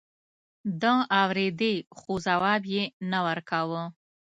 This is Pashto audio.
ده اورېدې خو ځواب يې نه ورکاوه.